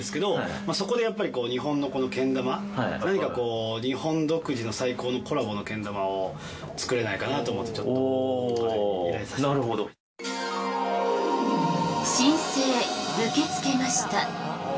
まぁそこでやっぱりこう日本のこのけん玉何かこう日本独自の最高のコラボのけん玉を作れないかなぁと思っておなるほど依頼させていただきました申請受け付けました